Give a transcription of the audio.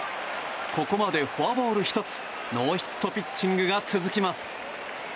ここまでフォアボール１つノーヒットピッチングが続きます。